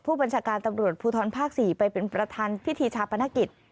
ผู้บัญชาการตำรวจภูทรภาค๔ไปเป็นประธานพิธีชาปนกิจ